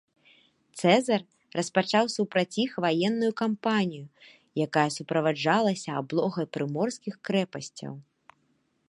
Цэзар распачаў супраць іх ваенную кампанію, якая суправаджалася аблогай прыморскіх крэпасцяў.